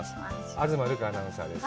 東留伽アナウンサーです